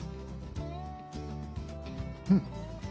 うん！